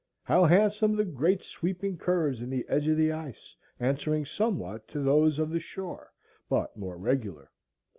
How handsome the great sweeping curves in the edge of the ice, answering somewhat to those of the shore, but more regular!